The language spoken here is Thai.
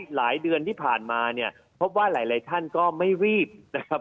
หลายเดือนที่ผ่านมาเนี่ยพบว่าหลายท่านก็ไม่รีบนะครับ